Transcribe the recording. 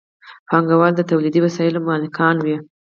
پانګوال د تولیدي وسایلو مالکان وي.